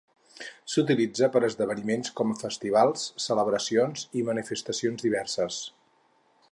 S'utilitza per esdeveniments com festivals, celebracions i manifestacions diverses.